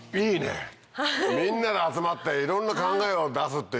みんなで集まっていろんな考えを出すっていう。